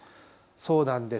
そうなんです。